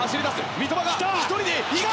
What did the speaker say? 三笘が１人で行く。